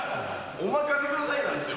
お任せくださいなんですよ。